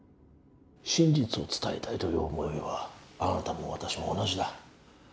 真実を伝えたいという思いはあなたも私も同じだ。